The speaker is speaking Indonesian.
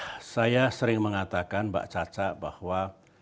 ya saya sering mengatakan mbak caca bahwa